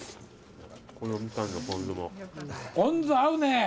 ポン酢合うね。